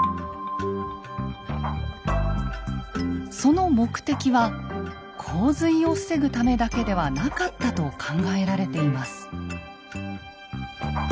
その目的は洪水を防ぐためだけではなかったと考えられています。